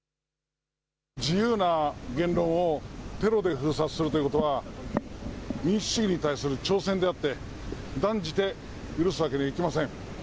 自由な言論をテロで封殺するということは、民主主義に対する挑戦であって断じて許すわけにはいきません。